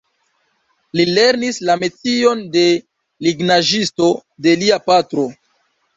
Li lernis la metion de lignaĵisto de lia patro.